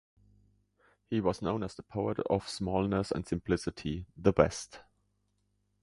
He was known as the poet "of smallness and simplicity - the best".